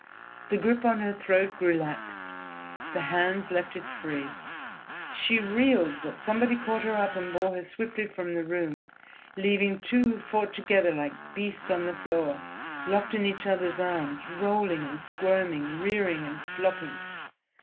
The grip on her throat grew lax, the hands left it free. She reeled, but somebody caught her up and bore her swiftly from the room, leaving two who fought together like beasts on the floor, locked in each other's arms, rolling and squirming, rearing and flopping....